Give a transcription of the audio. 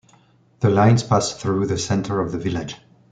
The lines pass through the centre of the village.